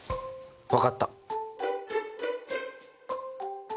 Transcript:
分かった。